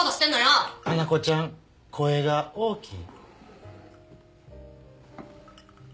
花子ちゃん声が大きい。